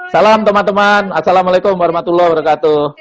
salam teman teman assalamualaikum warahmatullahi wabarakatuh